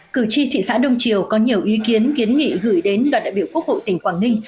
cử tri thị xã đông triều có nhiều ý kiến kiến nghị gửi đến đoàn đại biểu quốc hội tỉnh quảng ninh